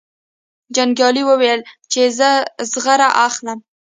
جنګیالي وویل چې زه زغره اخلم.